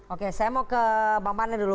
oke saya mau ke bang pane dulu